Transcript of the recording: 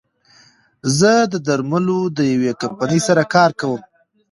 زه د درملو د يوې کمپنۍ سره کار کوم